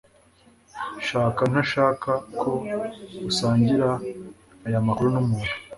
Shaka ntashaka ko usangira aya makuru numuntu.